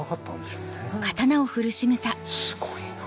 すごいな。